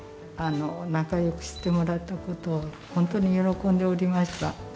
仲よくしてもらったことを本当に喜んでおりました。